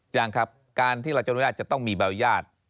ยังครับการที่เราจะอนุญาตจะต้องมีใบอนุญาต